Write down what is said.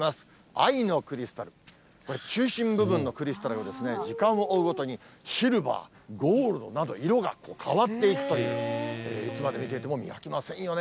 愛のクリスタル、これ、中心部分のクリスタルがですね、時間を追うごとに、シルバー、ゴールドなど、色が変わっていくという、いつまで見ていても見飽きませんよね。